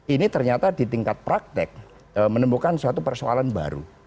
ini ternyata di tingkat praktek menemukan suatu persoalan baru